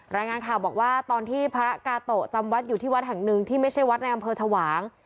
รายงานข่าวบอกว่าตอนที่พระกาโตะจำวัดอยู่ที่วัดแห่งหนึ่งที่ไม่ใช่วัดในอำเภอชวาง